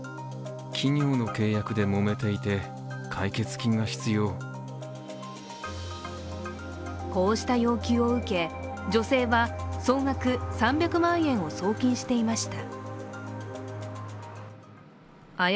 この他にもこうした要求を受け、女性は総額３００万円を送金していました。